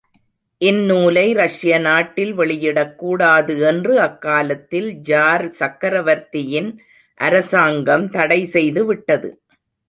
இந் நூலை ரஷ்ய நாட்டில் வெளியிடக் கூடாது என்று அக்காலத்தில் ஜார் சக்கரவர்த்தியின் அரசாங்கம் தடை செய்து விட்டது.